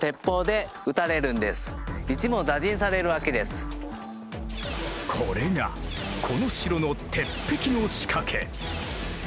するとこれがこの城の鉄壁の仕掛け。